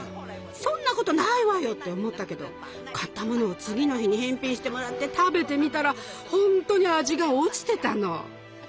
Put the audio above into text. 「そんなことないわよ」って思ったけど買ったものを次の日に返品してもらって食べてみたらほんとに味が落ちてたの。